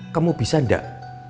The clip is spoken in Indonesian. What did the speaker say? kamu bisa enggak